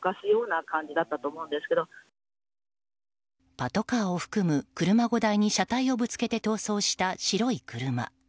パトカーを含む車５台に車体をぶつけて逃走した白い車。